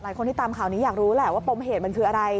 คนที่ตามข่าวนี้อยากรู้แหละว่าปมเหตุมันคืออะไร